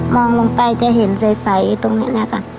องลงไปจะเห็นใสตรงนี้นะคะ